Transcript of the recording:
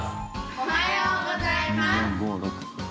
おはようございます。